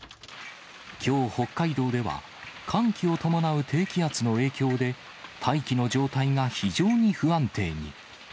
きょう、北海道では寒気を伴う低気圧の影響で、大気の状態が非常に不安定に。